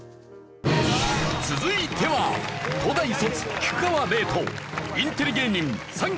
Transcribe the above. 続いては東大卒菊川怜とインテリ芸人さん